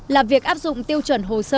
là việc áp dụng tiêu chuẩn hồ sơ